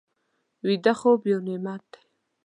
ویده خوب یو نعمت دی